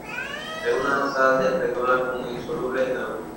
Es una sal de aspecto blanco muy soluble en agua.